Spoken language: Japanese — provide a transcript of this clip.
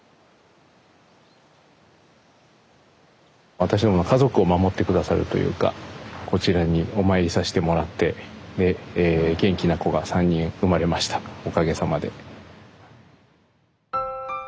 私どもの家族を守って下さるというかこちらにお参りさしてもらってで元気な子が３人産まれましたおかげさまで。